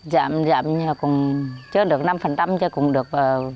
giảm giảm cũng chưa được năm chứ cũng được